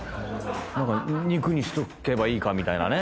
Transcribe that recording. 肉にしとけばいいかみたいなね。